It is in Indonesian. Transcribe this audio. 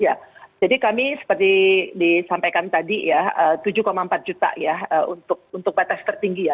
ya jadi kami seperti disampaikan tadi ya tujuh empat juta ya untuk batas tertinggi ya